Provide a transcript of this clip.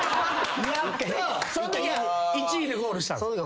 そんときは１位でゴールした？